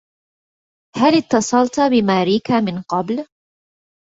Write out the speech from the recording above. هل اتصلت بماريكا من قبل؟